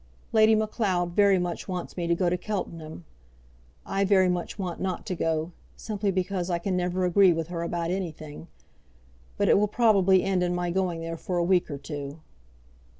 Lady Macleod very much wants me to go to Cheltenham. I very much want not to go, simply because I can never agree with her about anything; but it will probably end in my going there for a week or two.